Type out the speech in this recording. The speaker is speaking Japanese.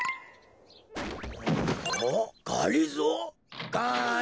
・おっがりぞー？